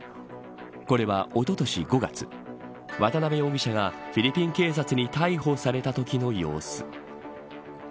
これは、おととし５月渡辺容疑者がフィリピン警察に逮捕されたときの様子。